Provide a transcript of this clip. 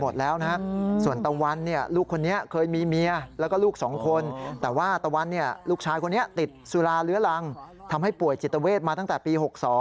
จิตเวศมาตั้งแต่ปี๖๒